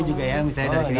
juga ya misalnya dari sini